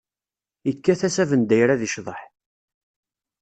Ikkat-as abendayer ad icḍeḥ.